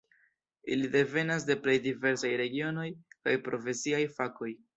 Ili devenas de plej diversaj regionoj kaj profesiaj fakoj.